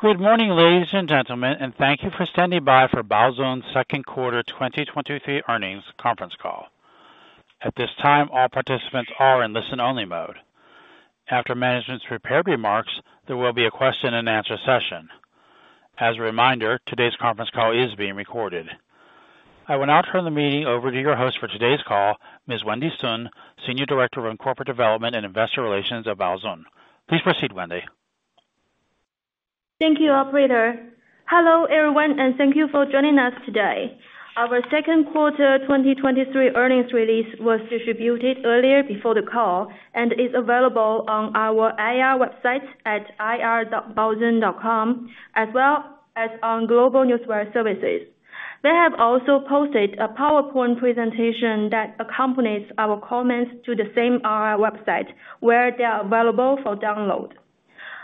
Good morning, ladies and gentlemen, and thank you for standing by for Baozun's second quarter 2023 earnings conference call. At this time, all participants are in listen-only mode. After management's prepared remarks, there will be a question-and-answer session. As a reminder, today's conference call is being recorded. I will now turn the meeting over to your host for today's call, Ms. Wendy Sun, Senior Director of Corporate Development and Investor Relations at Baozun. Please proceed, Wendy. Thank you, operator. Hello, everyone, and thank you for joining us today. Our second quarter 2023 earnings release was distributed earlier before the call and is available on our IR website at ir.baozun.com, as well as on GlobeNewswire services. We have also posted a PowerPoint presentation that accompanies our comments to the same IR website, where they are available for download.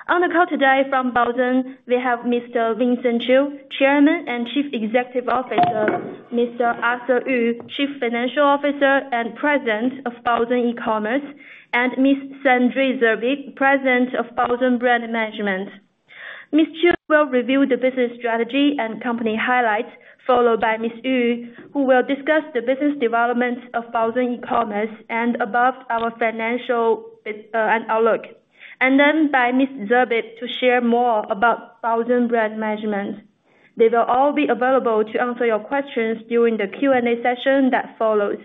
On the call today from Baozun, we have Mr. Vincent Qiu, Chairman and Chief Executive Officer, Mr. Arthur Yu, Chief Financial Officer and President of Baozun E-commerce, and Ms. Sandrine Zerbib, President of Baozun Brand Management. Mr. Qiu will review the business strategy and company highlights, followed by Mr. Yu, who will discuss the business development of Baozun E-commerce and our financial and outlook, and then by Ms. Zerbib to share more about Baozun Brand Management. They will all be available to answer your questions during the Q&A session that follows.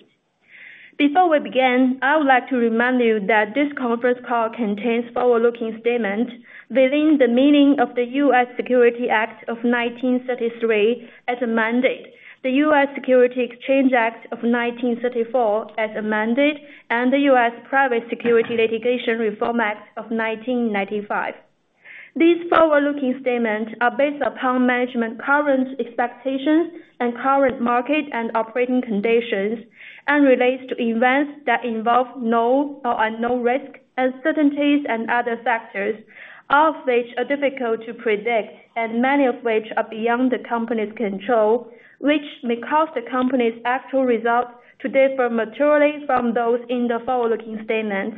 Before we begin, I would like to remind you that this conference call contains forward-looking statements within the meaning of the U.S. Securities Act of 1933 as amended, the U.S. Securities Exchange Act of 1934 as amended, and the U.S. Private Securities Litigation Reform Act of 1995. These forward-looking statements are based upon management current expectations and current market and operating conditions, and relates to events that involve known or unknown risks, uncertainties and other factors, all of which are difficult to predict and many of which are beyond the company's control, which may cause the company's actual results to differ materially from those in the forward-looking statements.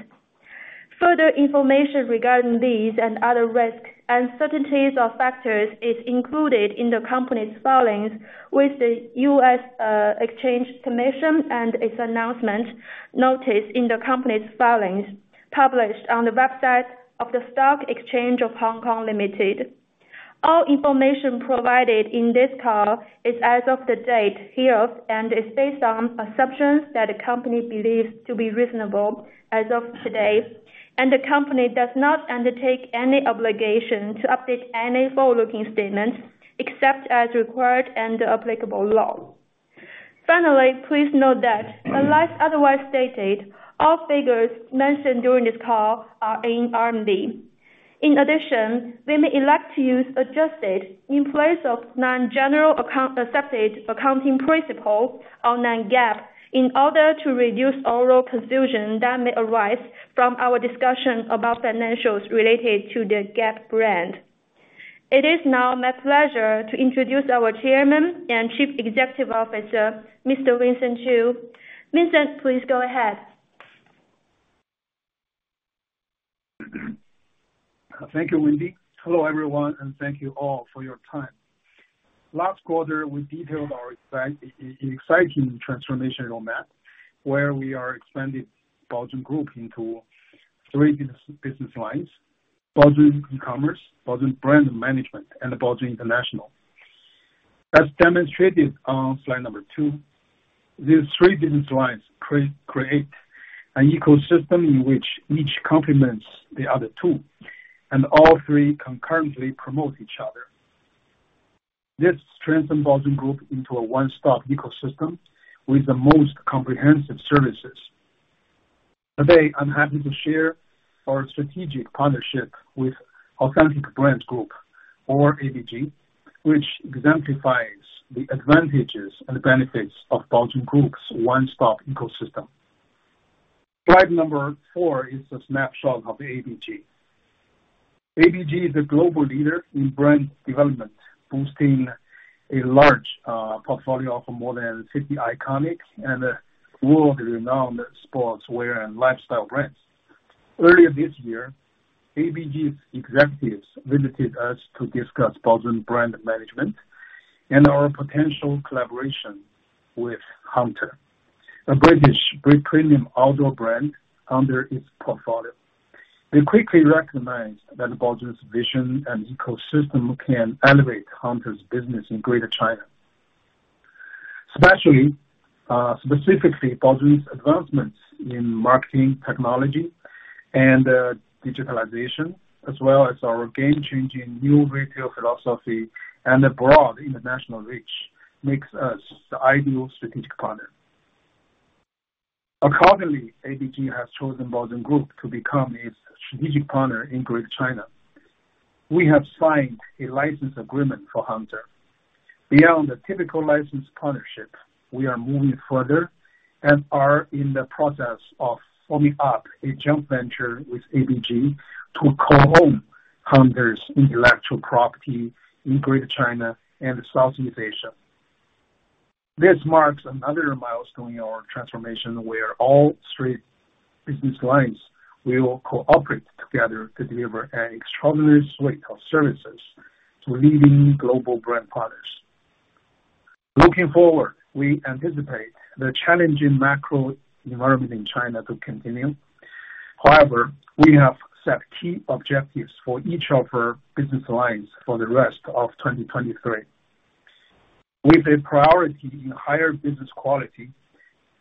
Further information regarding these and other risks, uncertainties, or factors is included in the company's filings with the U.S. Securities and Exchange Commission and its announcements and notices in the company's filings, published on the website of the Stock Exchange of Hong Kong Limited. All information provided in this call is as of the date hereof, and is based on assumptions that the company believes to be reasonable as of today. The company does not undertake any obligation to update any forward-looking statements, except as required under applicable law. Finally, please note that, unless otherwise stated, all figures mentioned during this call are in RMB. In addition, we may elect to use adjusted in place of non-generally accepted accounting principles or non-GAAP, in order to reduce all confusion that may arise from our discussion about financials related to the Gap brand. It is now my pleasure to introduce our Chairman and Chief Executive Officer, Mr. Vincent Qiu. Vincent, please go ahead. Thank you, Wendy. Hello, everyone, and thank you all for your time. Last quarter, we detailed our exciting transformation roadmap, where we are expanding Baozun Group into three business lines: Baozun E-commerce, Baozun Brand Management, and Baozun International. As demonstrated on slide number two, these three business lines create an ecosystem in which each complements the other two, and all three concurrently promote each other. This transforms Baozun Group into a one-stop ecosystem with the most comprehensive services. Today, I'm happy to share our strategic partnership with Authentic Brands Group or ABG, which exemplifies the advantages and benefits of Baozun Group's one-stop ecosystem. Slide number four is a snapshot of ABG. ABG is a global leader in brand development, boasting a large portfolio of more than 50 iconic and world-renowned sportswear and lifestyle brands. Earlier this year, ABG's executives visited us to discuss Baozun Brand Management and our potential collaboration with Hunter, a British very premium outdoor brand under its portfolio. They quickly recognized that Baozun's vision and ecosystem can elevate Hunter's business in Greater China. Especially, specifically, Baozun's advancements in marketing technology and, digitalization, as well as our game-changing new retail philosophy and broad international reach, makes us the ideal strategic partner. Accordingly, ABG has chosen Baozun Group to become its strategic partner in Greater China. We have signed a license agreement for Hunter. Beyond the typical license partnership, we are moving further and are in the process of forming up a joint venture with ABG to co-own Hunter's intellectual property in Greater China and Southeast Asia... This marks another milestone in our transformation, where all three business lines will cooperate together to deliver an extraordinary suite of services to leading global brand partners. Looking forward, we anticipate the challenging macro environment in China to continue. However, we have set key objectives for each of our business lines for the rest of 2023. With a priority in higher business quality,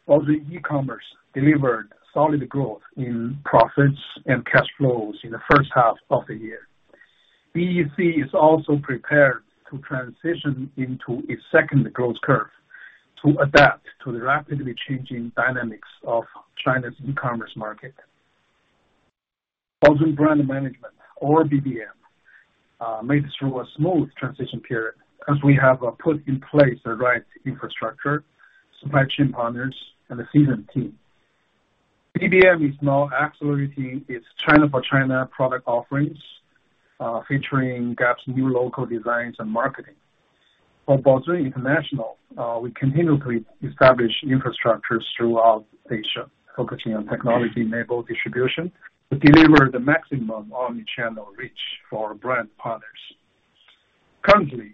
all the E-commerce delivered solid growth in profits and cash flows in the first half of the year. BEC is also prepared to transition into a second growth curve to adapt to the rapidly changing dynamics of China's E-commerce market. Baozun Brand Management, or BBM, made it through a smooth transition period as we have put in place the right infrastructure, supply chain partners, and a seasoned team. BBM is now accelerating its China-for-China product offerings, featuring Gap's new local designs and marketing. For Baozun International, we continually establish infrastructures throughout Asia, focusing on technology-enabled distribution to deliver the maximum Omni-channel reach for our brand partners. Currently,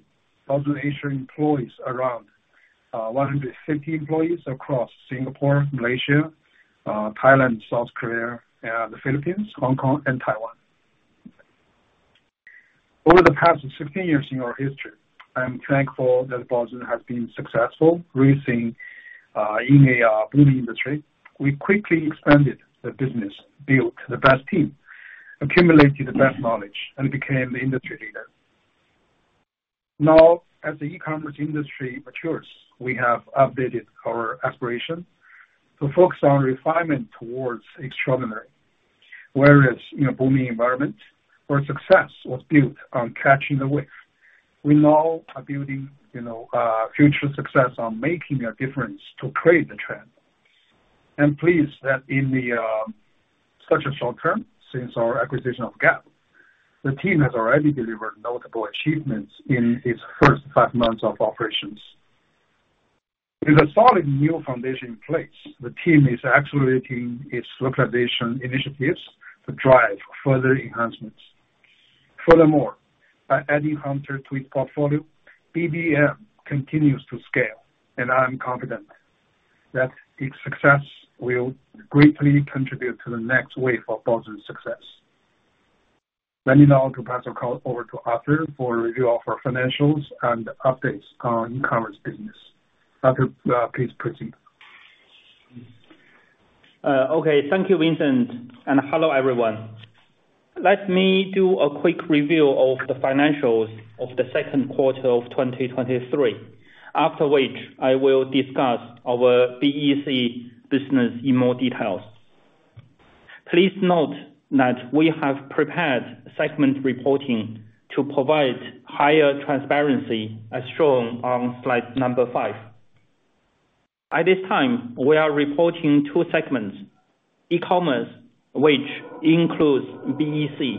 Baozun Asia employs around 150 employees across Singapore, Malaysia, Thailand, South Korea, the Philippines, Hong Kong, and Taiwan. Over the past 15 years in our history, I am thankful that Baozun has been successful, raising in a booming industry. We quickly expanded the business, built the best team, accumulated the best knowledge, and became the industry leader. Now, as the E-commerce industry matures, we have updated our aspiration to focus on refinement towards extraordinary. Whereas in a booming environment, where success was built on catching the wave, we now are building, you know, future success on making a difference to create the trend. I'm pleased that in the such a short term, since our acquisition of Gap, the team has already delivered notable achievements in its first five months of operations. With a solid new foundation in place, the team is accelerating its localization initiatives to drive further enhancements. Furthermore, by adding Hunter to its portfolio, BBM continues to scale, and I am confident that its success will greatly contribute to the next wave of Baozun's success. Let me now to pass the call over to Arthur for a review of our financials and updates on E-commerce business. Arthur, please proceed. Okay. Thank you, Vincent, and hello, everyone. Let me do a quick review of the financials of the second quarter of 2023, after which I will discuss our BEC business in more details. Please note that we have prepared segment reporting to provide higher transparency, as shown on slide number five. At this time, we are reporting two segments: E-commerce, which includes BEC,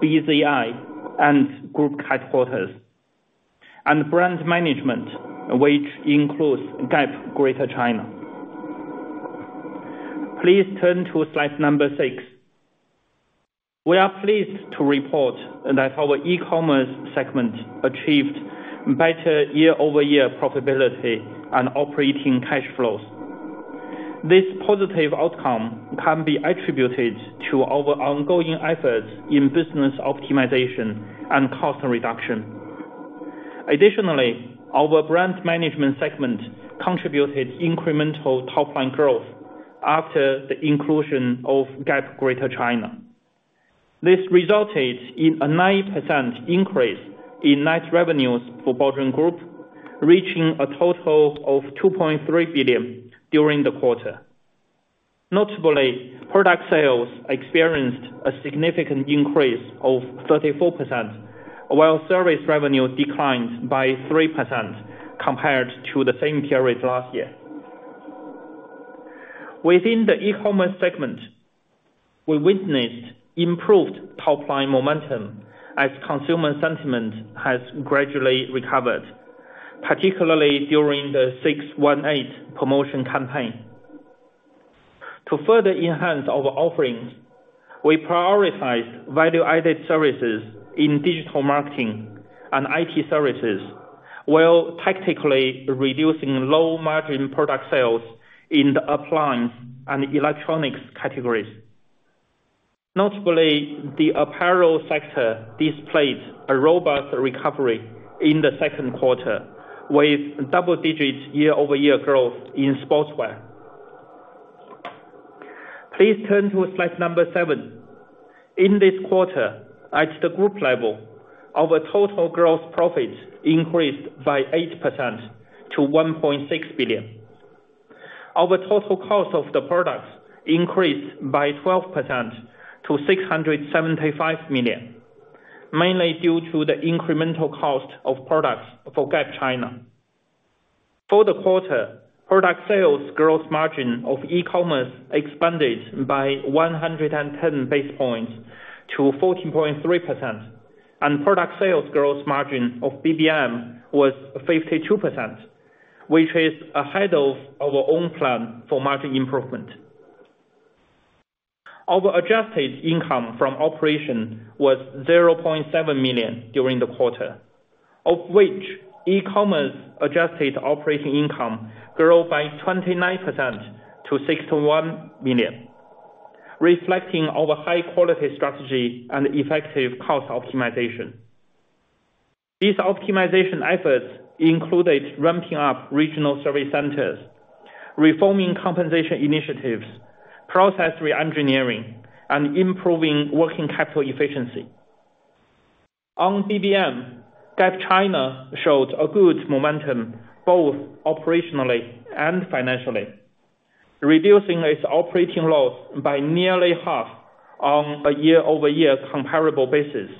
BZI, and group headquarters, and brand management, which includes Gap Greater China. Please turn to slide number six. We are pleased to report that our E-commerce segment achieved better year-over-year profitability and operating cash flows. This positive outcome can be attributed to our ongoing efforts in business optimization and cost reduction. Additionally, our brand management segment contributed incremental top line growth after the inclusion of Gap Greater China. This resulted in a 9% increase in net revenues for Baozun Group, reaching a total of 2.3 billion during the quarter. Notably, product sales experienced a significant increase of 34%, while service revenue declined by 3% compared to the same period last year. Within the E-commerce segment, we witnessed improved top line momentum as consumer sentiment has gradually recovered, particularly during the 618 promotion campaign. To further enhance our offerings, we prioritized value-added services in digital marketing and IT services, while tactically reducing low-margin product sales in the appliance and electronics categories. Notably, the apparel sector displayed a robust recovery in the second quarter, with double-digit year-over-year growth in sportswear. Please turn to slide seven. In this quarter, at the group level, our total gross profits increased by 8% to 1.6 billion. Our total cost of the products increased by 12% to 675 million, mainly due to the incremental cost of products for Gap China. For the quarter, product sales gross margin of E-commerce expanded by 110 basis points to 14.3%, and product sales gross margin of BBM was 52%, which is ahead of our own plan for margin improvement. Our adjusted income from operations was 0.7 million during the quarter, of which E-commerce adjusted operating income grew by 29% to 61 million, reflecting our high quality strategy and effective cost optimization. These optimization efforts included ramping up regional service centers, reforming compensation initiatives, process reengineering, and improving working capital efficiency. On BBM, Gap China showed a good momentum, both operationally and financially, reducing its operating loss by nearly half on a year-over-year comparable basis.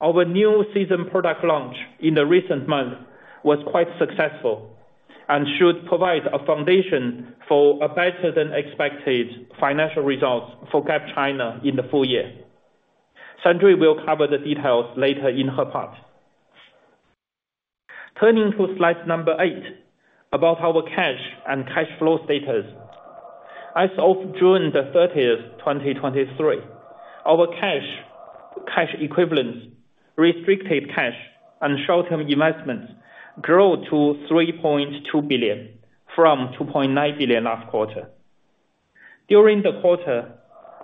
Our new season product launch in the recent month was quite successful, and should provide a foundation for a better than expected financial results for Gap China in the full year. Sandrine will cover the details later in her part. Turning to slide number eight about our cash and cash flow status. As of June 30th, 2023, our cash, cash equivalents, restricted cash, and short-term investments grew to 3.2 billion from 2.9 billion last quarter. During the quarter,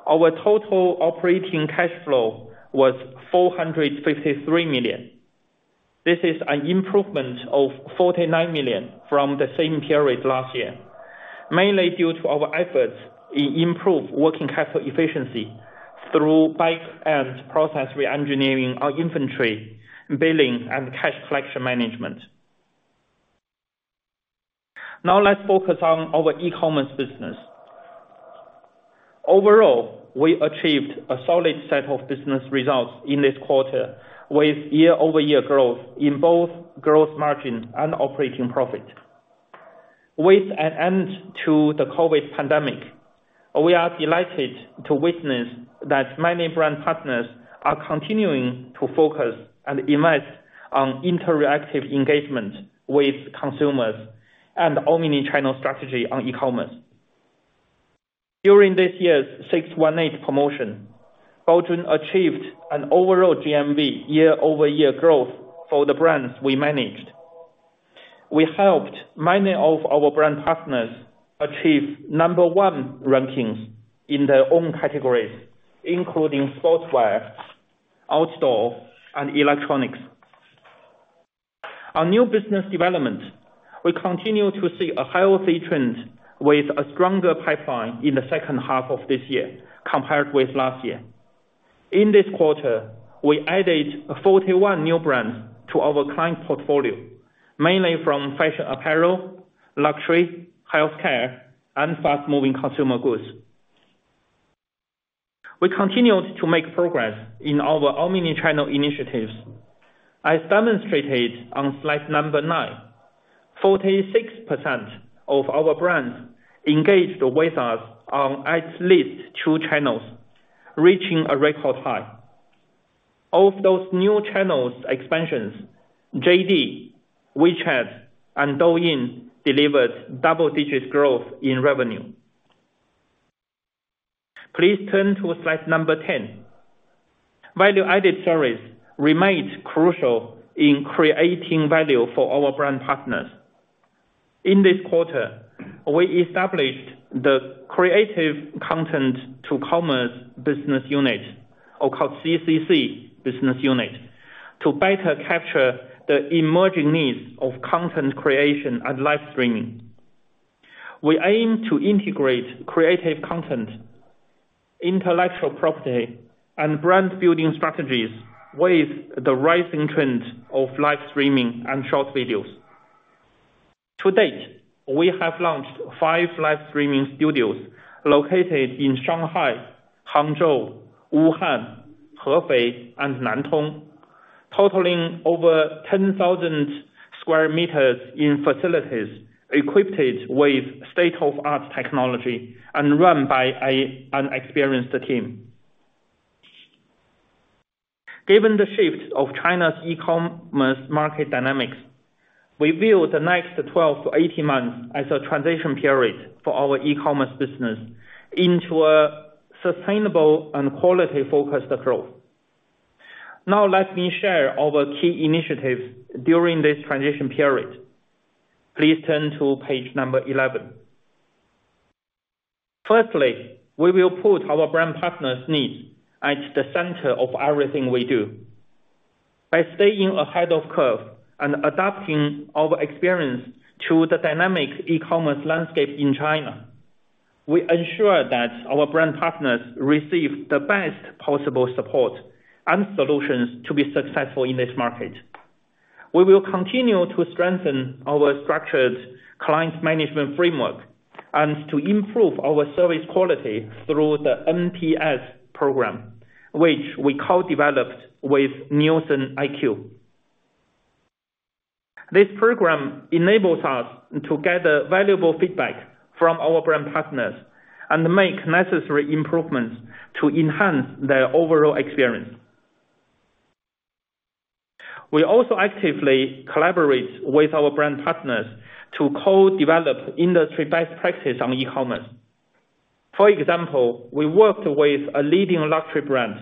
our total operating cash flow was 453 million. This is an improvement of 49 million from the same period last year, mainly due to our efforts in improved working capital efficiency through BIC and process reengineering, our inventory, billing, and cash collection management. Now, let's focus on our E-commerce business. Overall, we achieved a solid set of business results in this quarter, with year-over-year growth in both gross margin and operating profit. With an end to the COVID pandemic, we are delighted to witness that many brand partners are continuing to focus and invest on interactive engagement with consumers and Omni-channel strategy on E-commerce. During this year's 618 Promotion, Baozun achieved an overall GMV year-over-year growth for the brands we managed. We helped many of our brand partners achieve number one rankings in their own categories, including sportswear, outdoor, and electronics. On new business development, we continue to see a healthy trend with a stronger pipeline in the second half of this year, compared with last year. In this quarter, we added 41 new brands to our client portfolio, mainly from fashion apparel, luxury, healthcare, and fast-moving consumer goods. We continued to make progress in our Omni-channel initiatives. As demonstrated on slide number nine, 46% of our brands engaged with us on at least two channels, reaching a record high. Of those new channels expansions, JD, WeChat, and Douyin delivered double-digit growth in revenue. Please turn to slide number 10. Value-added service remains crucial in creating value for our brand partners. In this quarter, we established the Creative Content to Commerce business unit, or called CCC business unit, to better capture the emerging needs of content creation and live streaming. We aim to integrate creative content, intellectual property, and brand building strategies with the rising trend of live streaming and short videos. To date, we have launched five live streaming studios located in Shanghai, Hangzhou, Wuhan, Hefei, and Nantong, totaling over 10,000 square meters in facilities, equipped with state-of-the-art technology and run by an experienced team. Given the shift of China's E-commerce market dynamics, we view the next 12-18 months as a transition period for our E-commerce business into a sustainable and quality-focused growth. Now, let me share our key initiatives during this transition period. Please turn to page 11. Firstly, we will put our brand partners' needs at the center of everything we do. By staying ahead of curve and adapting our experience to the dynamic E-commerce landscape in China, we ensure that our brand partners receive the best possible support and solutions to be successful in this market. We will continue to strengthen our structured client management framework and to improve our service quality through the NPS program, which we co-developed with NielsenIQ.... This program enables us to gather valuable feedback from our brand partners and make necessary improvements to enhance their overall experience. We also actively collaborate with our brand partners to co-develop industry best practices on E-commerce. For example, we worked with a leading luxury brand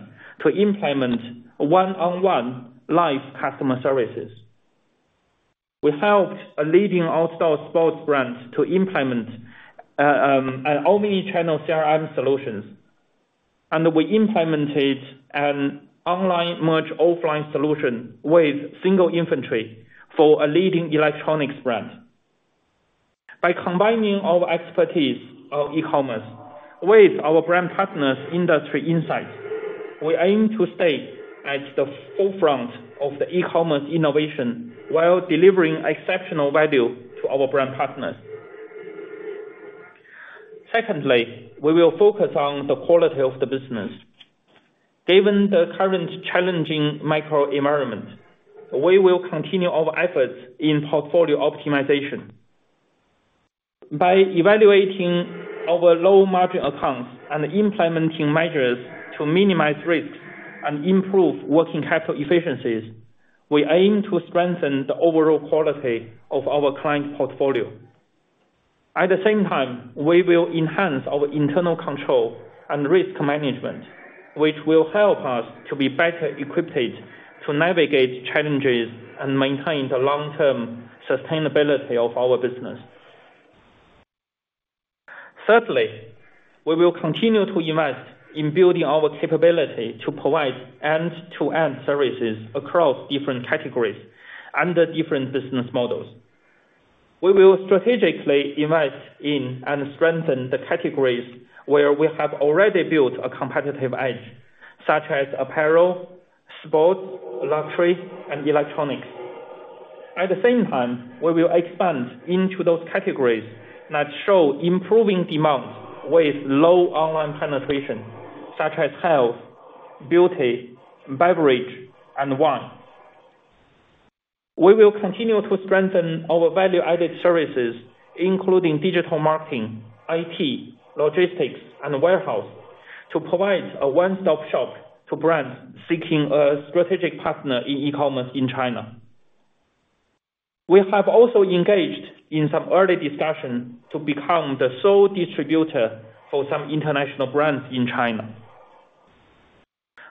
to implement one-on-one live customer services. We helped a leading outdoor sports brand to implement an Omni-channel CRM solutions, and we implemented an online merge offline solution with single inventory for a leading electronics brand. By combining our expertise of E-commerce with our brand partners industry insights, we aim to stay at the forefront of the E-commerce innovation while delivering exceptional value to our brand partners. Secondly, we will focus on the quality of the business. Given the current challenging micro environment, we will continue our efforts in portfolio optimization. By evaluating our low margin accounts and implementing measures to minimize risks and improve working capital efficiencies, we aim to strengthen the overall quality of our client portfolio. At the same time, we will enhance our internal control and risk management, which will help us to be better equipped to navigate challenges and maintain the long-term sustainability of our business. Thirdly, we will continue to invest in building our capability to provide end-to-end services across different categories and the different business models. We will strategically invest in and strengthen the categories where we have already built a competitive edge, such as apparel, sports, luxury, and electronics. At the same time, we will expand into those categories that show improving demand with low online penetration, such as health, beauty, beverage, and wine. We will continue to strengthen our value-added services, including digital marketing, IT, logistics, and warehouse, to provide a one-stop shop to brands seeking a strategic partner in E-commerce in China. We have also engaged in some early discussion to become the sole distributor for some international brands in China.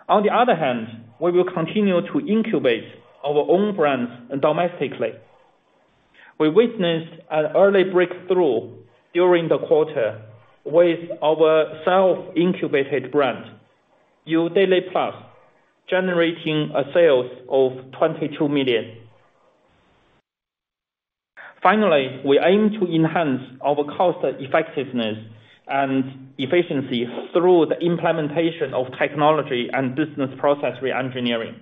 On the other hand, we will continue to incubate our own brands domestically. We witnessed an early breakthrough during the quarter with our self-incubated brand, YouDaily Plus, generating sales of 22 million. Finally, we aim to enhance our cost effectiveness and efficiency through the implementation of technology and business process reengineering.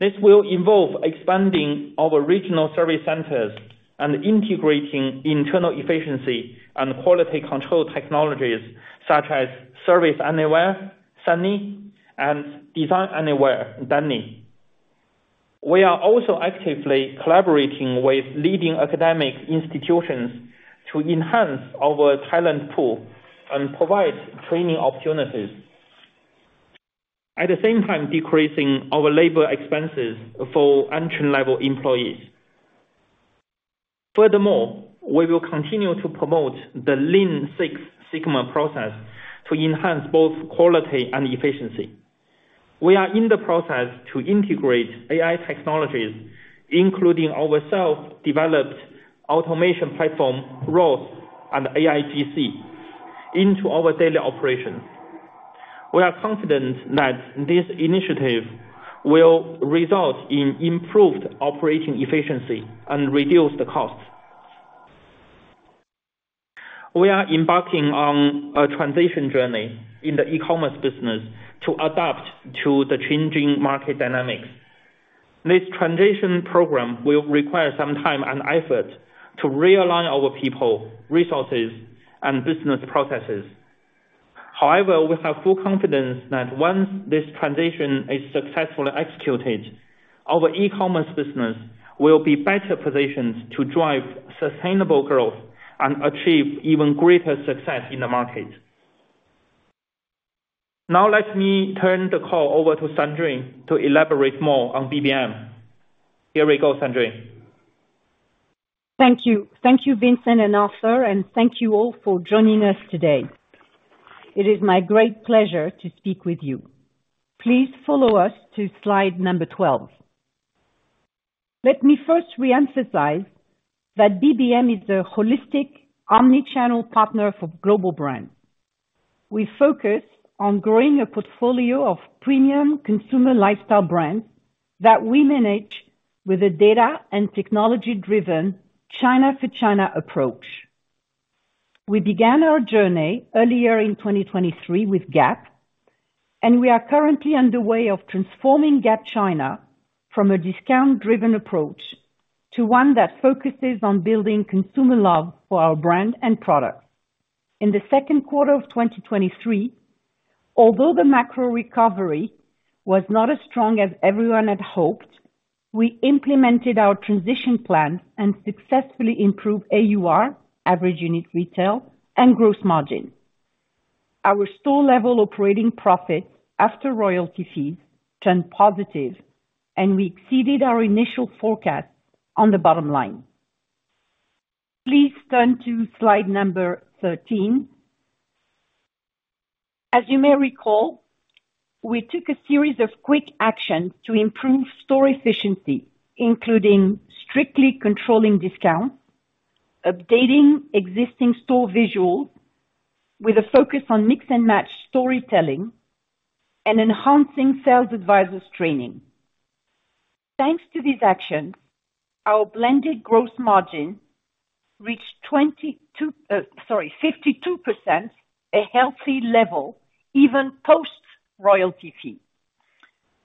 This will involve expanding our regional service centers and integrating internal efficiency and quality control technologies such as Service Anywhere, SANY, and Design Anywhere, DANY. We are also actively collaborating with leading academic institutions to enhance our talent pool and provide training opportunities, at the same time, decreasing our labor expenses for entry-level employees. Furthermore, we will continue to promote the Lean Six Sigma process to enhance both quality and efficiency. We are in the process to integrate AI technologies, including our self-developed automation platform, ROSS and AIGC, into our daily operations. We are confident that this initiative will result in improved operating efficiency and reduce the costs. We are embarking on a transition journey in the E-commerce business to adapt to the changing market dynamics. This transition program will require some time and effort to realign our people, resources, and business processes. However, we have full confidence that once this transition is successfully executed, our E-commerce business will be better positioned to drive sustainable growth and achieve even greater success in the market. Now, let me turn the call over to Sandrine to elaborate more on BBM. Here we go, Sandrine. Thank you. Thank you, Vincent and Arthur, and thank you all for joining us today. It is my great pleasure to speak with you. Please follow us to slide number 12. Let me first reemphasize that BBM is a holistic, Omni-channel partner for global brands. We focus on growing a portfolio of premium consumer lifestyle brands that we manage with a data and technology-driven China for China approach. We began our journey earlier in 2023 with Gap, and we are currently underway of transforming Gap China from a discount-driven approach to one that focuses on building consumer love for our brand and products. In the second quarter of 2023, although the macro recovery was not as strong as everyone had hoped, we implemented our transition plan and successfully improved AUR, average unit retail, and gross margin. Our store level operating profit after royalty fees turned positive, and we exceeded our initial forecast on the bottom line. Please turn to slide number 13. As you may recall, we took a series of quick actions to improve store efficiency, including strictly controlling discounts, updating existing store visuals with a focus on mix and match storytelling, and enhancing sales advisors training. Thanks to these actions, our blended gross margin reached 22%, sorry, 52%, a healthy level, even post royalty fee.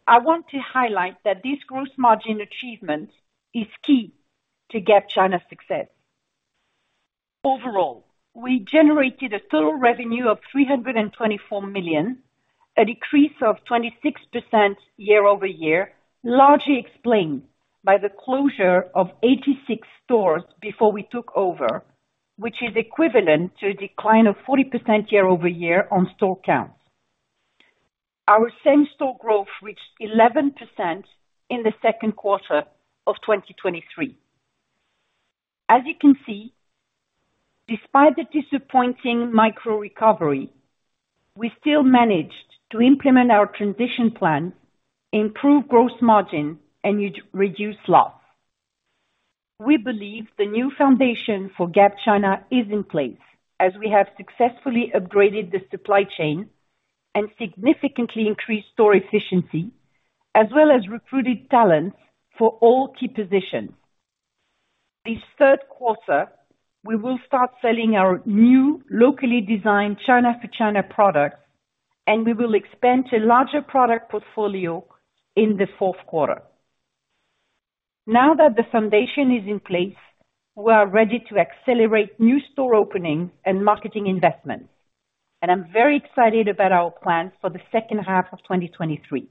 I want to highlight that this gross margin achievement is key to Gap China's success. Overall, we generated a total revenue of 324 million, a decrease of 26% year-over-year, largely explained by the closure of 86 stores before we took over, which is equivalent to a decline of 40% year-over-year on store counts. Our same store growth reached 11% in the second quarter of 2023. As you can see, despite the disappointing micro recovery, we still managed to implement our transition plan, improve gross margin and reduce loss. We believe the new foundation for Gap China is in place, as we have successfully upgraded the supply chain and significantly increased store efficiency, as well as recruited talents for all key positions. This third quarter, we will start selling our new locally designed China for China product, and we will expand to larger product portfolio in the fourth quarter. Now that the foundation is in place, we are ready to accelerate new store openings and marketing investments, and I'm very excited about our plans for the second half of 2023.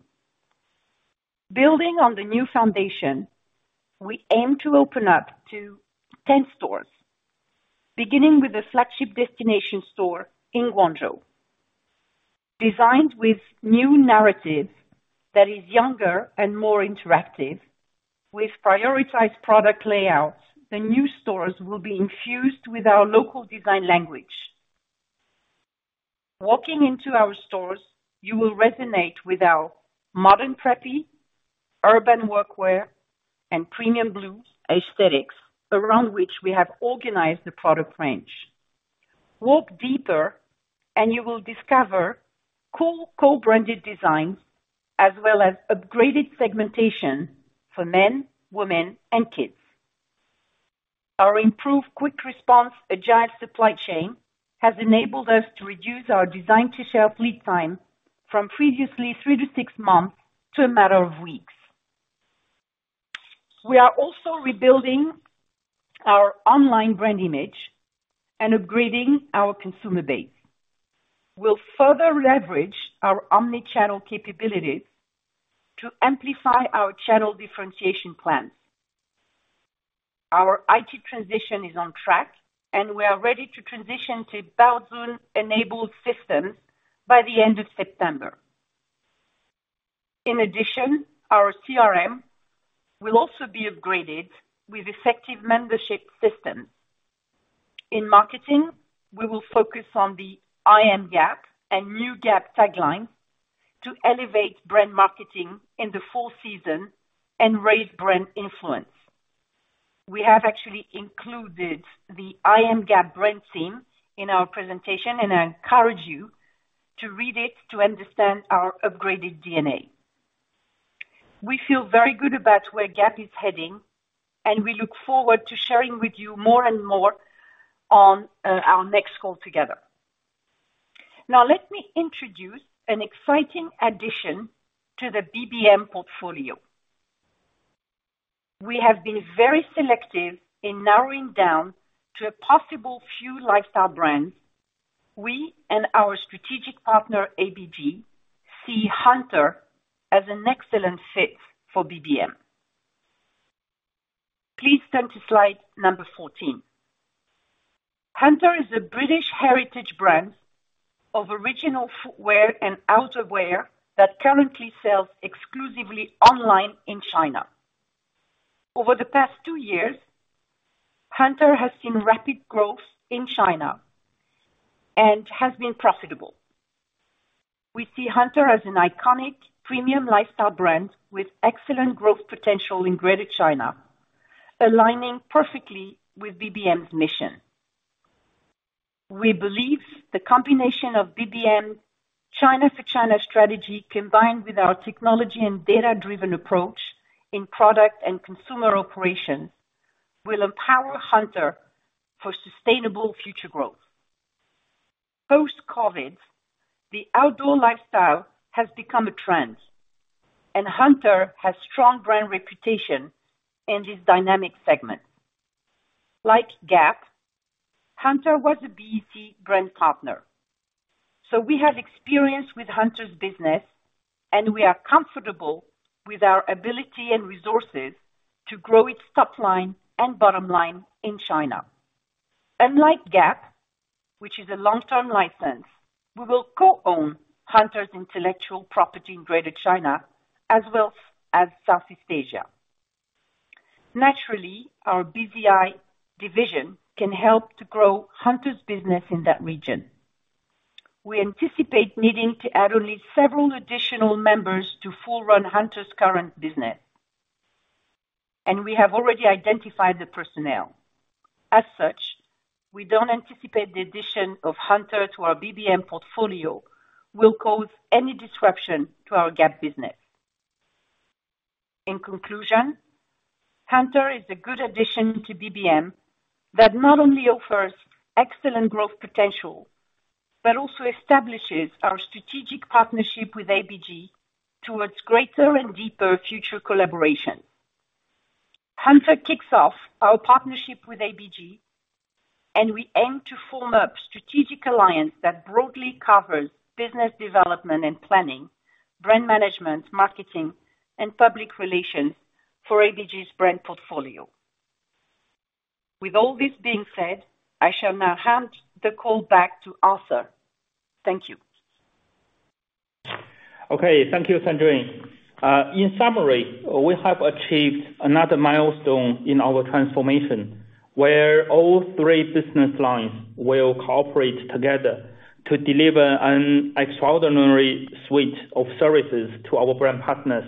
Building on the new foundation, we aim to open up to 10 stores, beginning with the flagship destination store in Guangzhou. Designed with new narrative that is younger and more interactive, with prioritized product layouts, the new stores will be infused with our local design language. Walking into our stores, you will resonate with our modern, preppy, urban workwear, and premium blues aesthetics, around which we have organized the product range. Walk deeper, and you will discover cool co-branded designs, as well as upgraded segmentation for men, women, and kids. Our improved quick response, agile supply chain, has enabled us to reduce our design to shelf lead time from previously three to six months, to a matter of weeks. We are also rebuilding our online brand image and upgrading our consumer base. We'll further leverage our Omni-channel capabilities to amplify our channel differentiation plans. Our IT transition is on track, and we are ready to transition to Baozun-enabled systems by the end of September. In addition, our CRM will also be upgraded with effective membership systems. In marketing, we will focus on the I Am Gap and New Gap tagline to elevate brand marketing in the fall season and raise brand influence. We have actually included the I Am Gap brand theme in our presentation, and I encourage you to read it to understand our upgraded DNA. We feel very good about where Gap is heading, and we look forward to sharing with you more and more on, our next call together. Now, let me introduce an exciting addition to the BBM portfolio. We have been very selective in narrowing down to a possible few lifestyle brands. We and our strategic partner, ABG, see Hunter as an excellent fit for BBM. Please turn to slide number 14. Hunter is a British heritage brand of original footwear and outerwear that currently sells exclusively online in China. Over the past two years, Hunter has seen rapid growth in China and has been profitable. We see Hunter as an iconic premium lifestyle brand with excellent growth potential in Greater China, aligning perfectly with BBM's mission. We believe the combination of BBM, China for China strategy, combined with our technology and data-driven approach in product and consumer operations, will empower Hunter for sustainable future growth. Post-COVID, the outdoor lifestyle has become a trend, and Hunter has strong brand reputation in this dynamic segment, like Gap, Hunter was a BEC brand partner. So we have experience with Hunter's business, and we are comfortable with our ability and resources to grow its top line and bottom line in China. Unlike Gap, which is a long-term license, we will co-own Hunter's intellectual property in Greater China as well as Southeast Asia. Naturally, our BZI division can help to grow Hunter's business in that region. We anticipate needing to add only several additional members to fully run Hunter's current business. We have already identified the personnel. As such, we don't anticipate the addition of Hunter to our BBM portfolio will cause any disruption to our Gap business. In conclusion, Hunter is a good addition to BBM that not only offers excellent growth potential, but also establishes our strategic partnership with ABG towards greater and deeper future collaboration. Hunter kicks off our partnership with ABG, and we aim to form a strategic alliance that broadly covers business development and planning, brand management, marketing, and public relations for ABG's brand portfolio. With all this being said, I shall now hand the call back to Arthur. Thank you. Okay, thank you, Sandrine. In summary, we have achieved another milestone in our transformation, where all three business lines will cooperate together to deliver an extraordinary suite of services to our brand partners.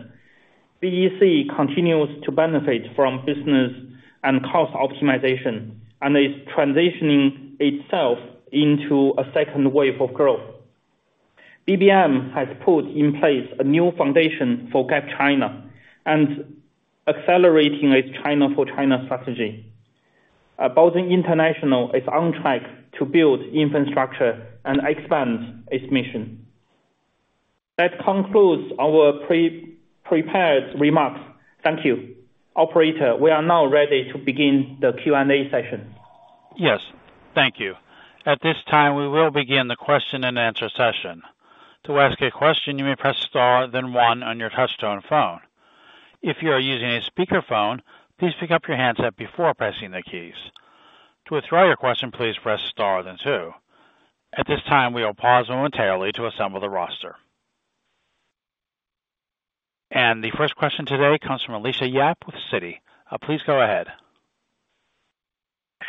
BEC continues to benefit from business and cost optimization, and is transitioning itself into a second wave of growth. BBM has put in place a new foundation for Gap China and accelerating its China-for-China strategy. Baozun International is on track to build infrastructure and expand its mission. That concludes our pre-prepared remarks. Thank you. Operator, we are now ready to begin the Q&A session. Yes. Thank you. At this time, we will begin the question-and-answer session. To ask a question, you may press star, then one on your touchtone phone. If you are using a speakerphone, please pick up your handset before pressing the keys. To withdraw your question, please press star then two. At this time, we will pause momentarily to assemble the roster. The first question today comes from Alicia Yap with Citi. Please go ahead.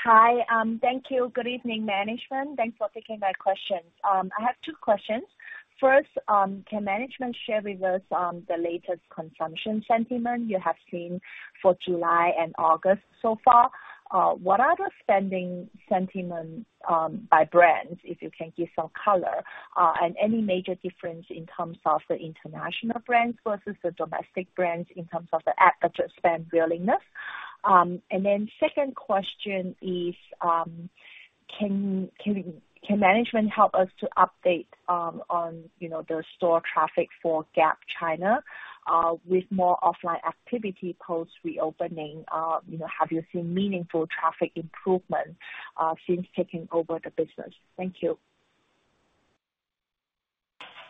Hi, thank you. Good evening, management. Thanks for taking my questions. I have two questions. First, can management share with us the latest consumption sentiment you have seen for July and August so far? What are the spending sentiments by brands, if you can give some color, and any major difference in terms of the international brands versus the domestic brands in terms of the average spend willingness? And then second question is, can management help us to update on, you know, the store traffic for Gap China with more offline activity post-reopening, you know, have you seen meaningful traffic improvement since taking over the business? Thank you.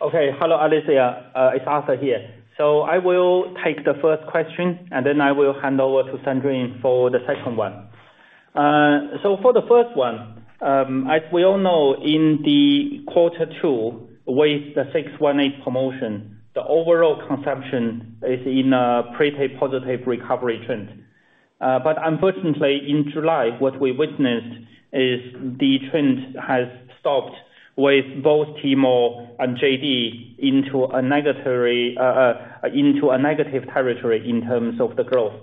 Okay. Hello, Alicia, it's Arthur here. So I will take the first question, and then I will hand over to Sandrine for the second one. So for the first one, as we all know, in quarter two, with the 618 Promotion, the overall consumption is in a pretty positive recovery trend. But unfortunately, in July, what we witnessed is the trend has stopped with both Tmall and JD into a negatory, into a negative territory in terms of the growth.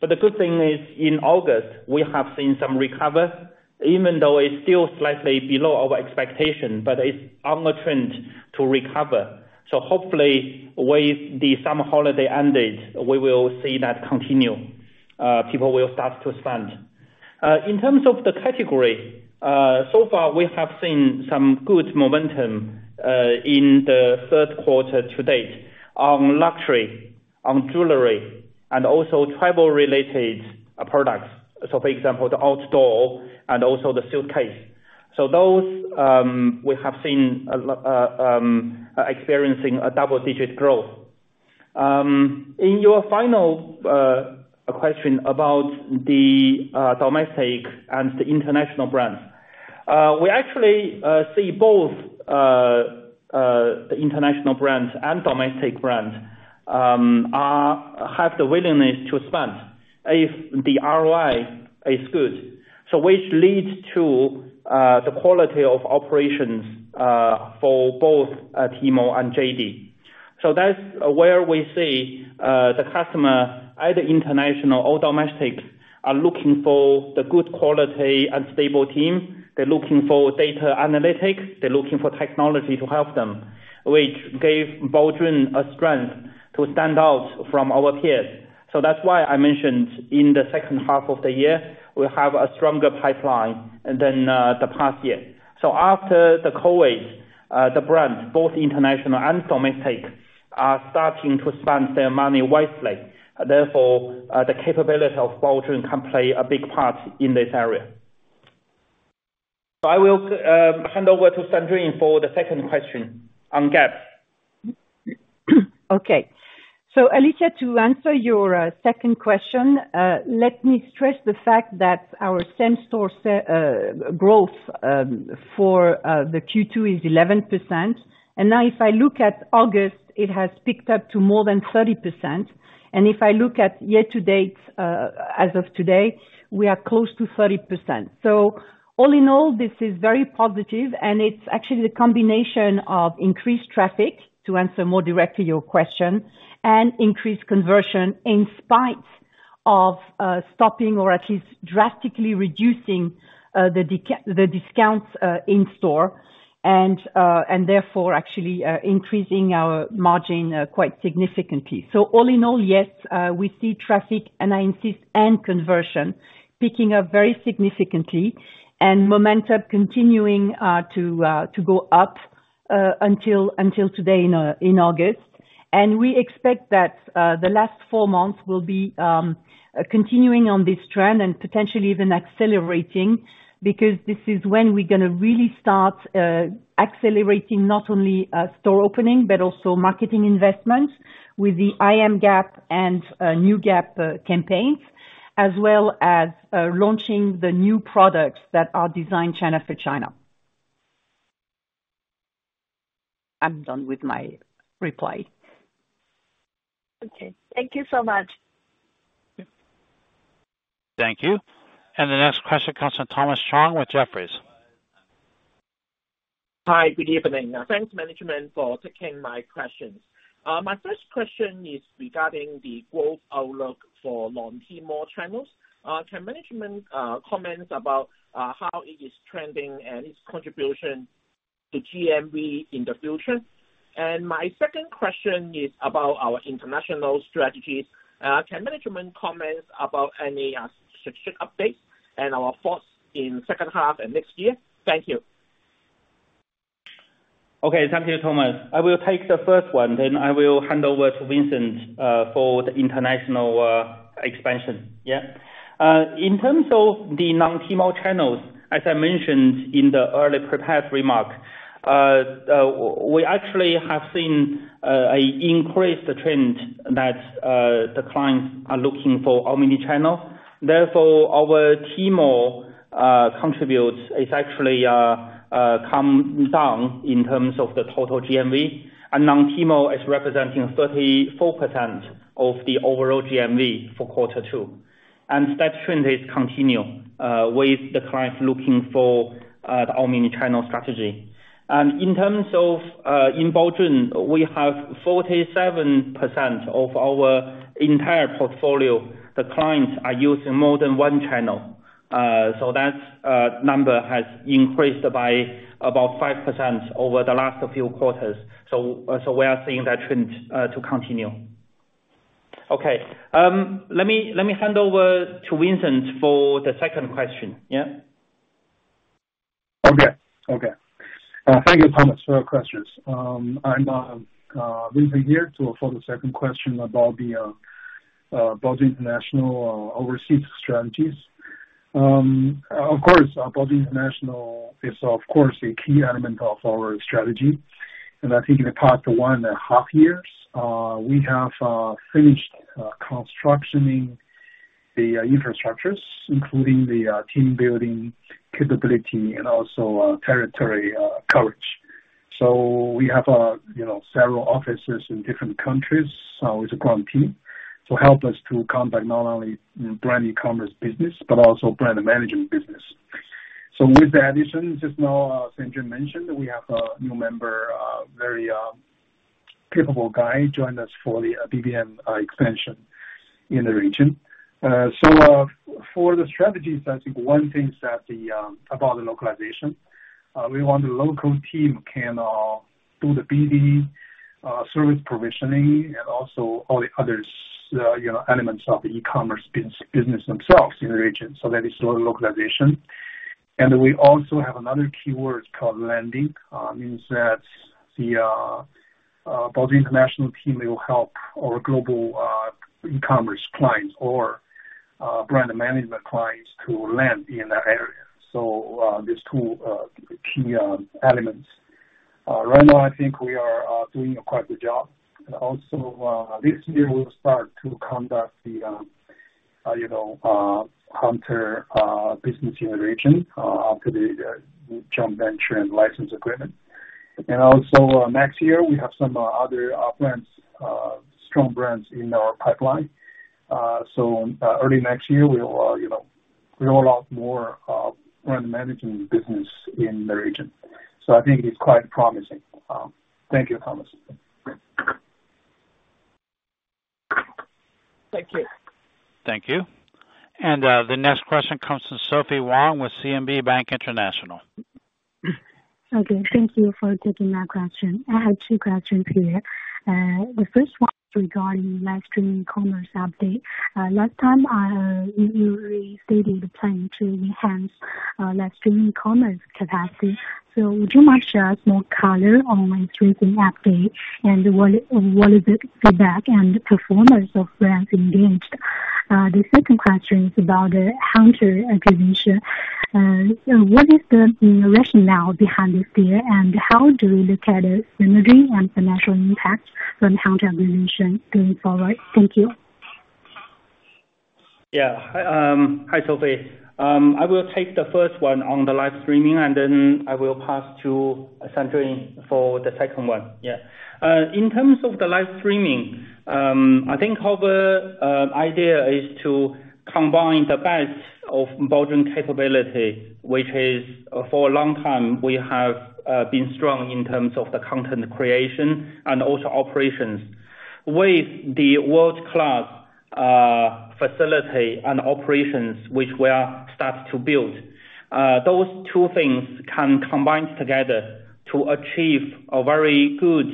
But the good thing is, in August, we have seen some recover, even though it's still slightly below our expectation, but it's on a trend to recover. So hopefully, with the summer holiday ended, we will see that continue. People will start to spend. In terms of the category, so far we have seen some good momentum in the third quarter to date on luxury, on jewelry, and also travel-related products. So for example, the outdoor and also the suitcase. So those we have seen experiencing a double-digit growth. In your final question about the domestic and the international brands. We actually see both the international brands and domestic brands are have the willingness to spend if the ROI is good. So which leads to the quality of operations for both Tmall and JD. So that's where we see the customer, either international or domestic, are looking for the good quality and stable team. They're looking for data analytics, they're looking for technology to help them, which gave Baozun group a strength to stand out from our peers. So that's why I mentioned in the second half of the year, we have a stronger pipeline than the past year. So after the COVID, the brands, both international and domestic, are starting to spend their money wisely, therefore, the capability of Baozun can play a big part in this area. So I will hand over to Sandrine for the second question on Gap. Okay. So, Alicia, to answer your second question, let me stress the fact that our same-store sales growth for the Q2 is 11%. And now if I look at August, it has picked up to more than 30%. And if I look at year to date, as of today, we are close to 30%. So all in all, this is very positive, and it's actually the combination of increased traffic, to answer more directly your question, and increased conversion in spite of stopping or at least drastically reducing the deep discounts in store and therefore actually increasing our margin quite significantly. So all in all, yes, we see traffic, and I insist, and conversion picking up very significantly and momentum continuing to go up until today in August. And we expect that the last four months will be continuing on this trend and potentially even accelerating, because this is when we're gonna really start accelerating not only store opening, but also marketing investments with the I Am Gap and New Gap campaigns, as well as launching the new products that are designed China for China. I'm done with my reply. Okay. Thank you so much. Thank you. The next question comes from Thomas Chong with Jefferies. Hi, good evening. Thanks, management, for taking my questions. My first question is regarding the growth outlook for non-Tmall channels. Can management comment about how it is trending and its contribution to GMV in the future? And my second question is about our international strategies. Can management comment about any strategic updates and our thoughts in second half and next year? Thank you. Okay. Thank you, Thomas. I will take the first one, then I will hand over to Vincent for the international expansion. Yeah. In terms of the non-Tmall channels, as I mentioned in the early prepared remarks, we actually have seen an increased trend that the clients are looking for Omni-channel. Therefore, our Tmall contributes is actually come down in terms of the total GMV, and non-Tmall is representing 34% of the overall GMV for quarter two. And that trend is continue with the clients looking for the Omni-channel strategy. And in terms of in Baozun, we have 47% of our entire portfolio, the clients are using more than one channel. So that number has increased by about 5% over the last few quarters. So, so we are seeing that trend to continue. Okay, let me, let me hand over to Vincent for the second question. Yeah? Okay. Okay. Thank you, Thomas, for your questions. I'm Vincent here. So for the second question about the Baozun International overseas strategies. Of course, Baozun International is, of course, a key element of our strategy. And I think in the past one and a half years, we have finished constructing the infrastructures, including the team building capability and also territory coverage. So we have, you know, several offices in different countries with a strong team to help us to conduct not only brand E-commerce business, but also brand Management business. So with the addition, just now Sandrine mentioned, we have a new member, very capable guy, joined us for the BBM expansion in the region. So, for the strategies, I think one thing is that about the localization, we want the local team can do the BD, service provisioning and also all the others, you know, elements of the E-commerce business themselves in the region. So that is the localization. And we also have another keyword called landing, means that the Baozun International team will help our global E-commerce clients or brand management clients to land in that area. So, these two key elements. Right now, I think we are doing quite a good job. And also, this year, we'll start to conduct the, you know, counter business in the region, after the joint venture and license agreement. Also, next year, we have some other brands, strong brands in our pipeline. So, early next year, we will, you know, roll out more brand management business in the region. So I think it's quite promising. Thank you, Thomas. Thank you. Thank you. The next question comes from Sophie Huang with CMB International. Okay, thank you for taking my question. I have two questions here. The first one is regarding live streaming commerce update. Last time, you restated the plan to enhance live streaming commerce capacity. So would you mind share more color on live streaming update, and what is the feedback and performance of brands engaged? ... The second question is about the Hunter acquisition. So what is the rationale behind this deal, and how do we look at the synergy and financial impact from Hunter acquisition going forward? Thank you. Yeah. Hi, hi, Sophie. I will take the first one on the live streaming, and then I will pass to Sandrine for the second one. Yeah. In terms of the live streaming, I think our idea is to combine the best of Baozun capability, which is, for a long time, we have been strong in terms of the content creation and also operations. With the world-class, facility and operations, which we are start to build, those two things can combine together to achieve a very good,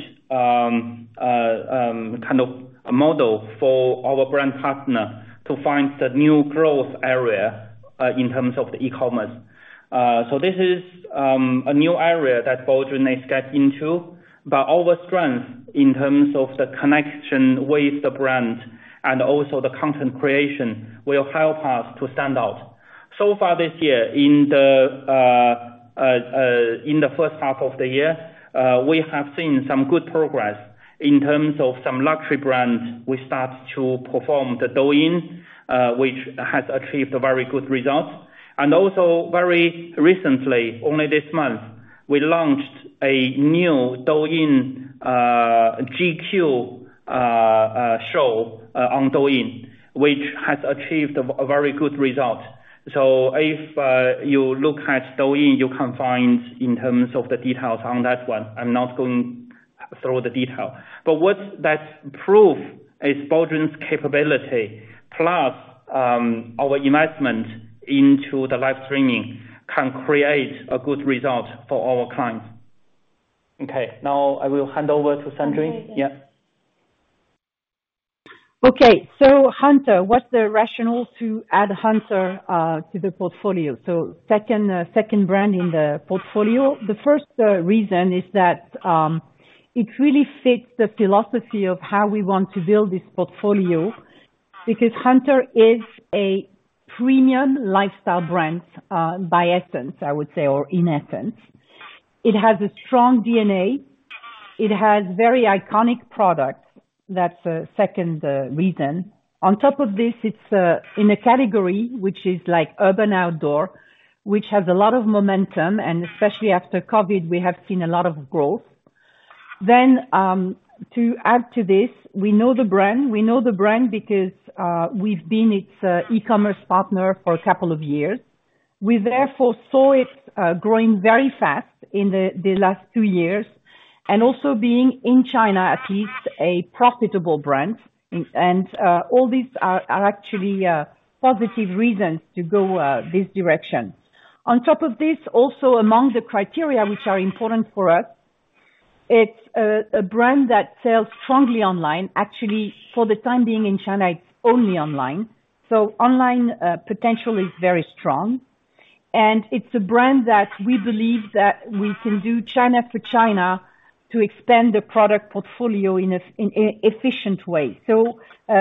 kind of a model for our brand partner to find the new growth area, in terms of the E-commerce. So this is a new area that Baozun may get into, but our strength in terms of the connection with the brand and also the content creation will help us to stand out. So far this year, in the first half of the year, we have seen some good progress in terms of some luxury brands. We start to perform the Douyin, which has achieved very good results. And also very recently, only this month, we launched a new Douyin GQ show on Douyin, which has achieved a very good result. So if you look at Douyin, you can find in terms of the details on that one. I'm not going through the detail. But what that proves is Baozun's capability, plus, our investment into the live streaming, can create a good result for our clients. Okay, now I will hand over to Sandrine. Yeah. Okay. So Hunter, what's the rationale to add Hunter to the portfolio? So second brand in the portfolio. The first reason is that it really fits the philosophy of how we want to build this portfolio, because Hunter is a premium lifestyle brand by essence, I would say, or in essence. It has a strong DNA. It has very iconic products. That's the second reason. On top of this, it's in a category which is like urban outdoor, which has a lot of momentum, and especially after COVID, we have seen a lot of growth. Then, to add to this, we know the brand. We know the brand because we've been its E-commerce partner for a couple of years. We therefore saw it growing very fast in the last two years, and also being in China, at least, a profitable brand. And all these are actually positive reasons to go this direction. On top of this, also among the criteria which are important for us, it's a brand that sells strongly online. Actually, for the time being in China, it's only online. So online potential is very strong. And it's a brand that we believe that we can do China for China to expand the product portfolio in a efficient way. So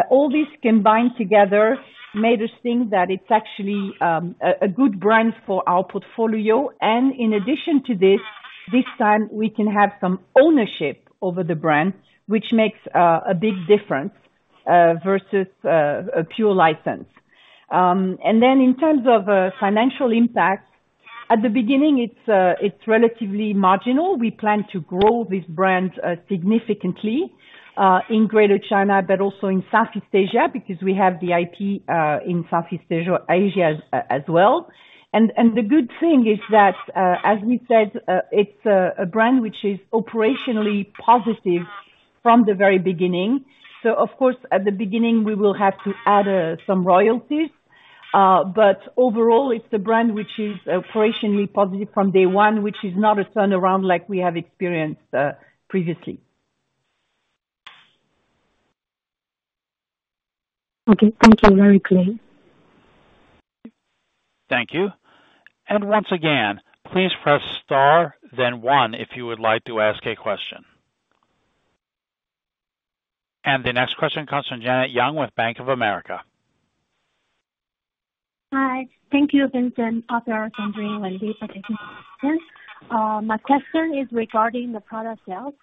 all this combined together made us think that it's actually a good brand for our portfolio. And in addition to this, this time we can have some ownership over the brand, which makes a big difference versus a pure license. And then in terms of financial impact, at the beginning, it's relatively marginal. We plan to grow this brand significantly in Greater China, but also in Southeast Asia, because we have the IP in Southeast Asia, Asia as well. And the good thing is that, as we said, it's a brand which is operationally positive from the very beginning. So of course, at the beginning, we will have to add some royalties. But overall, it's a brand which is operationally positive from day one, which is not a turnaround like we have experienced previously. Okay. Thank you. Very clear. Thank you. And once again, please press star then one if you would like to ask a question. And the next question comes from Janet Yang with Bank of America. Hi. Thank you, Vincent, Sandrine, and Wendy for the presentation. My question is regarding the product sales.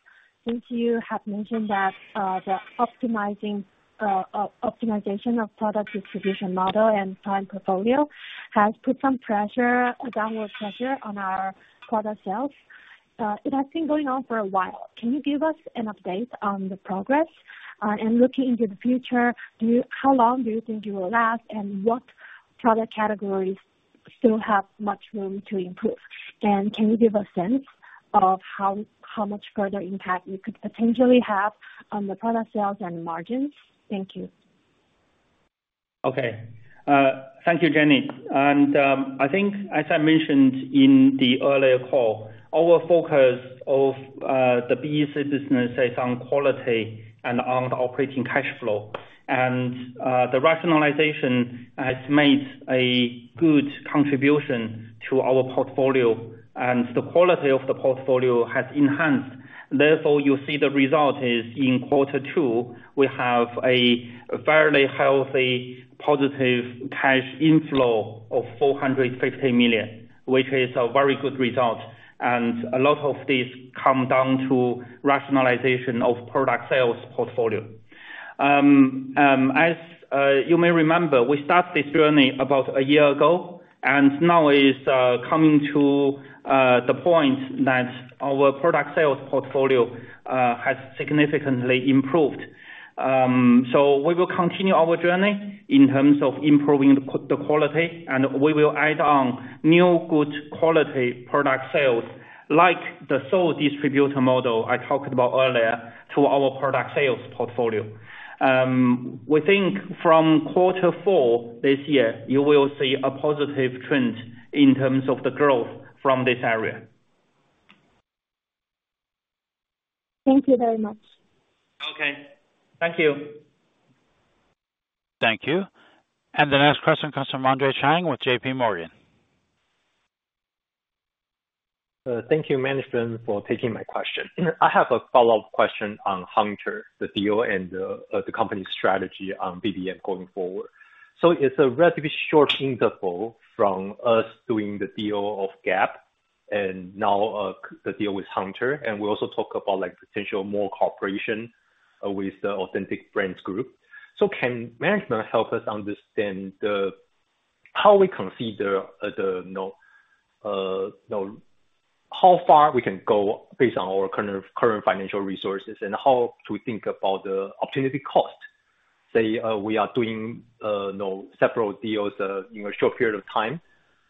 Since you have mentioned that the optimizing, optimization of product distribution model and time portfolio has put some pressure, a downward pressure on our product sales, it has been going on for a while. Can you give us an update on the progress? And looking into the future, do you, how long do you think it will last, and what product categories still have much room to improve? And can you give a sense of how much further impact you could potentially have on the product sales and margins? Thank you. Okay. Thank you, Jenny. I think as I mentioned in the earlier call, our focus of the BEC business is on quality and on the operating cash flow, and the rationalization has made a good contribution to our portfolio, and the quality of the portfolio has enhanced. Therefore, you see the result is in quarter two, we have a fairly healthy, positive cash inflow of 450 million, which is a very good result. A lot of this come down to rationalization of product sales portfolio. As you may remember, we started this journey about a year ago, and now is coming to the point that our product sales portfolio has significantly improved. So we will continue our journey in terms of improving the quality, and we will add on new, good quality product sales, like the sole distributor model I talked about earlier, to our product sales portfolio. We think from quarter four this year, you will see a positive trend in terms of the growth from this area. Thank you very much. Okay, thank you. Thank you. The next question comes from Andre Chang with JPMorgan. Thank you, management, for taking my question. I have a follow-up question on Hunter, the deal and the company's strategy on BBM going forward. So it's a relatively short interval from us doing the deal of Gap and now the deal with Hunter, and we also talk about, like, potential more cooperation with the Authentic Brands Group. So can management help us understand how we consider, you know, you know, how far we can go based on our current financial resources, and how to think about the opportunity cost? Say we are doing several deals in a short period of time,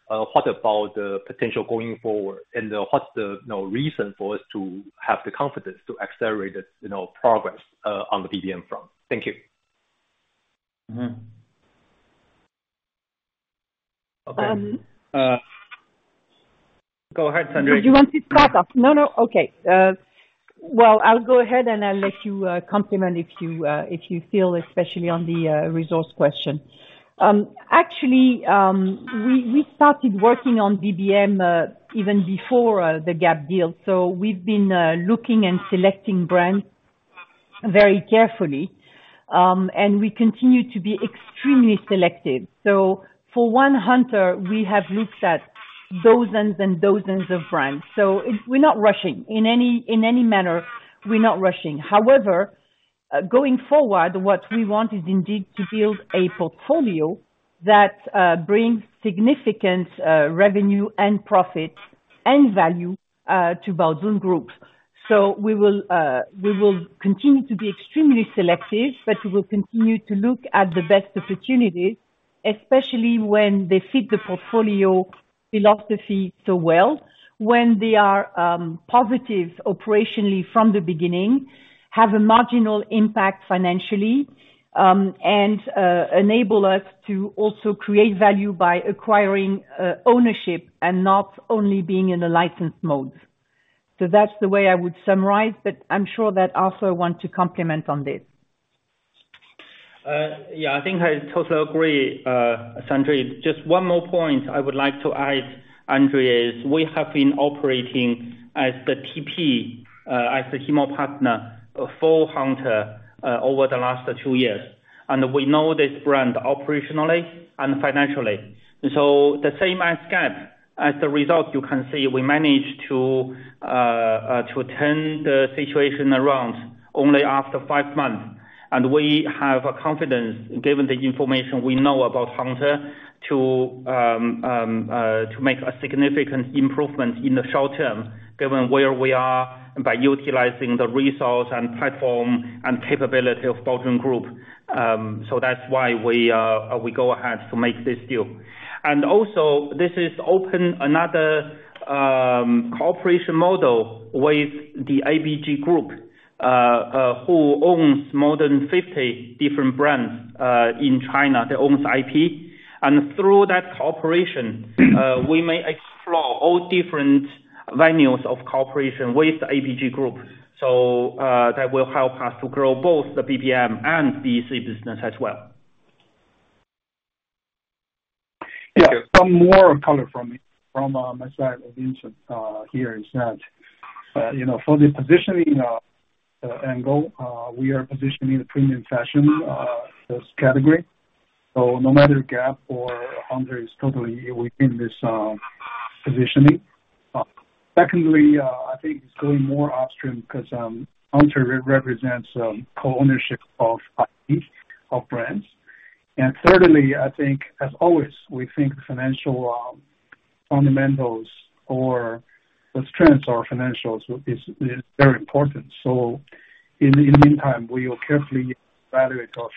what about the potential going forward? And what's the reason for us to have the confidence to accelerate this progress on the BBM front? Thank you. Mm-hmm. Okay. Um. Go ahead, Sandrine. Do you want me to start off? No, no. Okay. Well, I'll go ahead, and I'll let you comment if you feel, especially on the resource question. Actually, we started working on BBM even before the Gap deal, so we've been looking and selecting brands very carefully. We continue to be extremely selective. So for one Hunter, we have looked at dozens and dozens of brands, so it... We're not rushing. In any manner, we're not rushing. However, going forward, what we want is indeed to build a portfolio that brings significant revenue and profit and value to Baozun Group. So we will, we will continue to be extremely selective, but we will continue to look at the best opportunities, especially when they fit the portfolio philosophy so well. When they are positive operationally from the beginning, have a marginal impact financially, and enable us to also create value by acquiring ownership and not only being in the license mode. So that's the way I would summarize, but I'm sure that Arthur wants to comment on this. Yeah, I think I totally agree, Sandrine. Just one more point I would like to add, Andre, is we have been operating as the TP, as the Tmall partner for Hunter, over the last two years, and we know this brand operationally and financially. So the same as Gap, as a result, you can see we managed to turn the situation around only after five months. And we have a confidence, given the information we know about Hunter, to make a significant improvement in the short term, given where we are by utilizing the resource and platform and capability of Baozun Group. So that's why we go ahead to make this deal. Also, this opens another cooperation model with the ABG Group, who owns more than 50 different brands in China that own IP. Through that cooperation, we may explore all different avenues of cooperation with the ABG Group. So, that will help us to grow both the BBM and the BEC business as well. Thank you. Some more color from me, from my side of incident, here is that, you know, for the positioning, angle, we are positioning the premium fashion, as category. So no matter Gap or Hunter is totally within this, positioning. Secondly, I think it's going more upstream 'cause, Hunter represents, co-ownership of IP of brands. And thirdly, I think, as always, we think financial, fundamentals or the strengths of our financials is, very important. So in the meantime, we will carefully evaluate our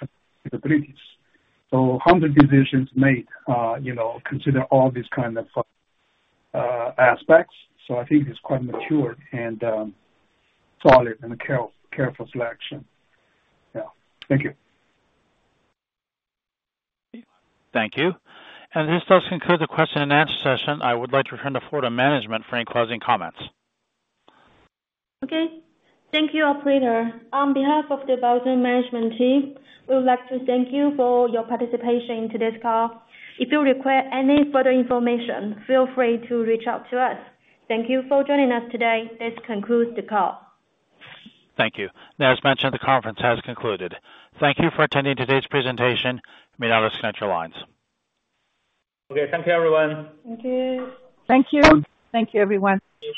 capabilities. So Hunter decisions made, you know, consider all these kind of, aspects. So I think it's quite mature and, solid and careful selection. Yeah. Thank you. Thank you. This does conclude the question and answer session. I would like to turn the floor to management for any closing comments. Okay. Thank you, operator. On behalf of the Baozun management team, we would like to thank you for your participation in today's call. If you require any further information, feel free to reach out to us. Thank you for joining us today. This concludes the call. Thank you. Now, as mentioned, the conference has concluded. Thank you for attending today's presentation. You may now disconnect your lines. Okay. Thank you, everyone. Thank you. Thank you. Thank you, everyone.